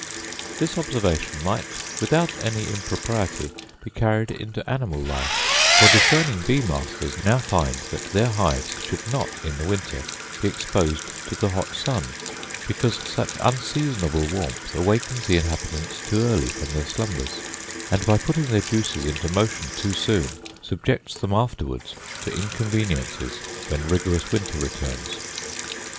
This observation might without any impropriety be carried into animal life; for discerning bee masters now find that their hives should not in the winter be exposed to the hot sun, because such unseasonable warmth awakens the inhabitants too early from their slumbers; and, by putting their juices into motion too soon, subjects them afterwards to inconveniences when rigorous weather returns.